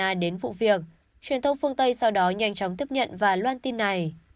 nga đến vụ việc truyền thông phương tây sau đó nhanh chóng tiếp nhận và loan tin này